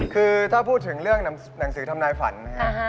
คือถ้าพูดถึงเรื่องหนังสือทำนายฝันนะครับ